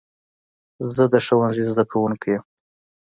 زه د ښوونځي زده کوونکی یم.